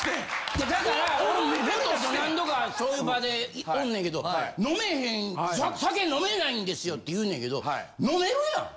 いやだから俺森田と何度かそういう場でおんねんけど飲めへん「酒飲めないんですよ」って言うねんけど飲めるやん！